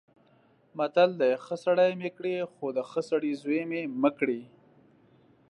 متل دی: ښه سړی مې کړې خو د ښه سړي زوی مې مه کړې.